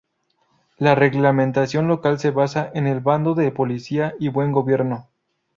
La reglamentación local se basa en el Bando de policía y buen gobierno.